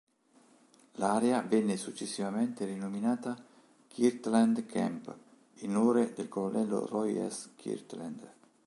L'area venne successivamente rinominata "Kirtland Camp", in onore del colonnello Roy S. Kirtland.